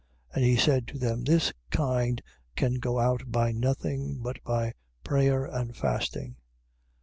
9:28. And he said to them: This kind can go out by nothing, but by prayer and fasting.